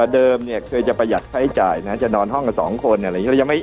เดิมเคยจะประหยัดไฟจ่ายนะจะนอนห้องกับสองคนอะไรอย่างนี้